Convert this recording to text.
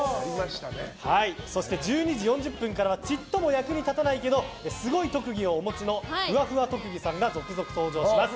そして１２時４０分からはちっとも役に立たないけどすごい特技をお持ちのふわふわ特技さんが続々登場します。